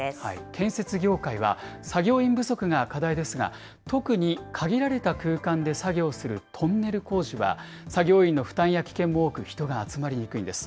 建設業界は、作業員不足が課題ですが、特に限られた空間で作業するトンネル工事は、作業員の負担や危険も多く、人が集まりにくいんです。